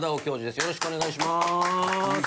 よろしくお願いします。